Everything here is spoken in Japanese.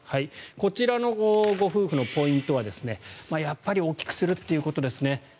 こちらのご夫婦のポイントはやっぱり大きくするということですね。